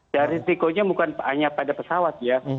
dan risikonya bukan hanya pada pesawat ya